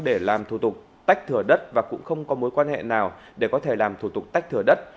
để làm thủ tục tách thửa đất và cũng không có mối quan hệ nào để có thể làm thủ tục tách thửa đất